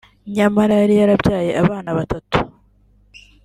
nyamara yari yarabyaye abana batatu